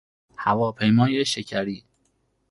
هواپیمای شکری